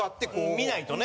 見ないとね。